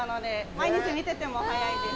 毎日見てても早いです。